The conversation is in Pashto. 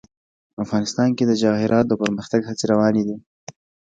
افغانستان کې د جواهرات د پرمختګ هڅې روانې دي.